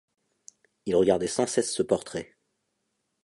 Il regardait sans cesse ce portrait.